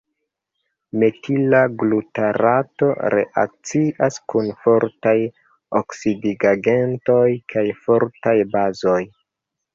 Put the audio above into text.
Metila glutarato reakcias kun fortaj oksidigagentoj kaj fortaj bazoj.